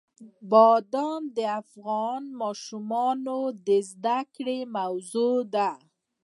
بادام د افغان ماشومانو د زده کړې موضوع ده.